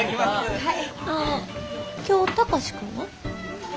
はい！